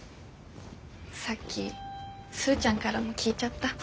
さっきスーちゃんからも聞いちゃった。